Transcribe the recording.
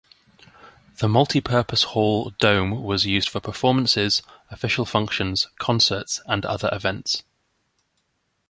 The multi-purpose hall Dome was used for performances, official functions, concerts and other events.